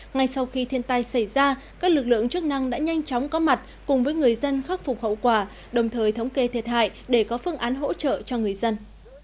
ngay sau khi thiên tai xảy ra các lực lượng chức năng đã nhanh chóng có mặt cùng với người dân khắc phục hậu quả đồng thời thống kê thiệt hại để có phương án hỗ trợ cho người dân